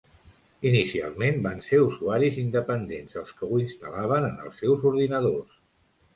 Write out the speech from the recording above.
Inicialment, van ser usuaris independents els que ho instal·laven en els seus ordinadors.